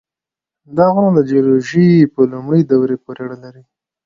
دا غرونه د جیولوژۍ په لومړۍ دورې پورې اړه لري.